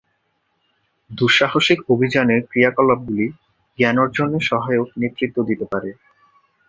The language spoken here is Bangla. দুঃসাহসিক অভিযানের ক্রিয়াকলাপগুলি জ্ঞান অর্জনে সহায়ক নেতৃত্ব দিতে পারে।